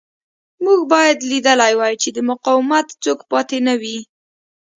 موږ باید لیدلی وای چې د مقاومت څوک پاتې نه وي